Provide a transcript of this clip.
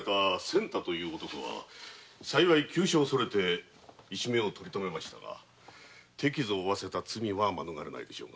仙太という男は急所がそれて一命を取りとめましたが手傷を負わせた罪は免れないでしょう。